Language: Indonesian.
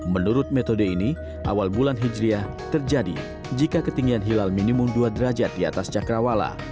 menurut metode ini awal bulan hijriah terjadi jika ketinggian hilal minimum dua derajat di atas cakrawala